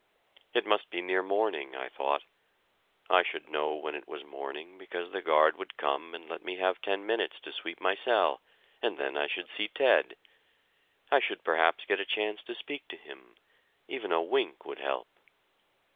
It must be near morning, I thought. I should know when it was morning, because the guard would come and let me have ten minutes to sweep my cell, and then I should see Ted. I should perhaps get a chance to speak to him even a wink would help!